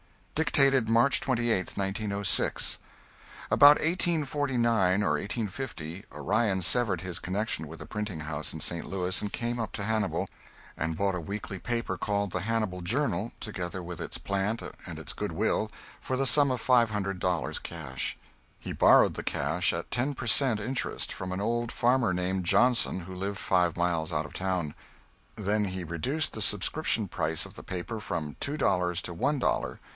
[Sidenote: (1850.)] [Dictated March 28th, 1906.] About 1849 or 1850 Orion severed his connection with the printing house in St. Louis and came up to Hannibal, and bought a weekly paper called the Hannibal "Journal," together with its plant and its good will, for the sum of five hundred dollars cash. He borrowed the cash at ten per cent. interest, from an old farmer named Johnson who lived five miles out of town. Then he reduced the subscription price of the paper from two dollars to one dollar.